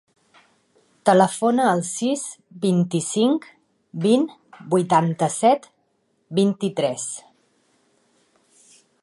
Telefona al sis, vint-i-cinc, vint, vuitanta-set, vint-i-tres.